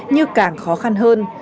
như càng khó khăn hơn